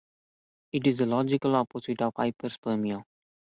It is the logical opposite of hyperspermia.